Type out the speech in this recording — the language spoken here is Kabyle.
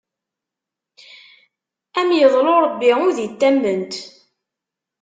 Ad am iḍlu Ṛebbi udi d tamment!